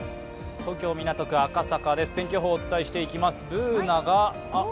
東京・港区赤坂です、天気予報をお伝えしていきます。